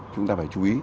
chúng ta phải chú ý